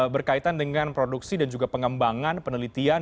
berkaitan dengan produksi dan juga pengembangan penelitian